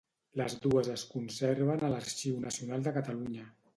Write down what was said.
Les dues es conserven a l'Arxiu Nacional de Catalunya.